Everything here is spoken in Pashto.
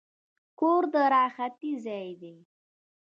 کور د راحتي ځای دی.